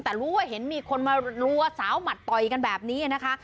แต่รู้ว่าเห็นมีคนมารัวสาวหมัดต่อยกันแบบนี้นะคะ